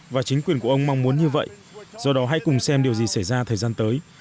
và chính quyền của ông mong muốn như vậy do đó hãy cùng xem điều gì xảy ra thời gian tới